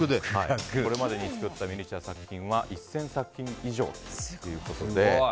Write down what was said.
これまでに作ったミニチュア作品は１０００作品以上ということです。